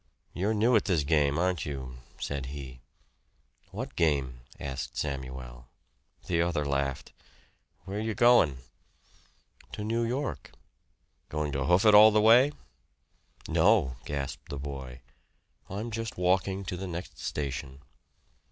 "You're new at this game, aren't you?" said he. "What game?" asked Samuel. The other laughed. "Where ye goin'?" "To New York." "Goin' to hoof it all the way?" "No!" gasped the boy. "I'm just walking to the next station."